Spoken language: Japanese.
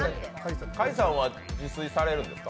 開さんは自炊はされるんですか？